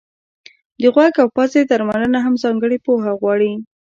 د غوږ او پزې درملنه هم ځانګړې پوهه غواړي.